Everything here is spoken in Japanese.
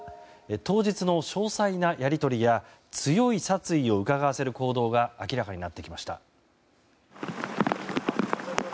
当日の詳細なやりとりや強い殺意をうかがわせる行動が明らかになってきました。